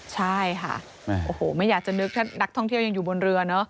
ใช่ค่ะโอ้โหไม่อยากจะนึกถ้านักท่องเที่ยวยังอยู่บนเรือเนอะ